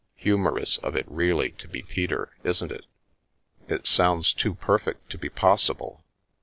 Humorous of it really to be Peter, isn't it?" " It sounds too perfect to be possible.